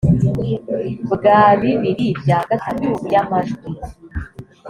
bwa bibiri bya gatatu by amajwi